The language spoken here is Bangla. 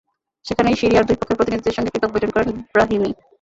সেখানেই সিরিয়ার দুই পক্ষের প্রতিনিধিদের সঙ্গে পৃথক বৈঠক করেন ব্রাহিমি।